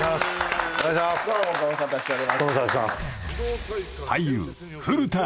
どうもご無沙汰しております。